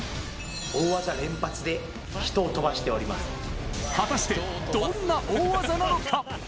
大技連発で、人を飛ばしてお果たしてどんな大技なのか。